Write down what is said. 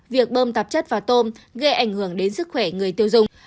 việc bơm tạp chất vào tôm gây ảnh hưởng đến sức khỏe người tiêu dùng